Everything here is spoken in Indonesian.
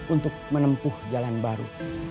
untuk menempuh jalan baru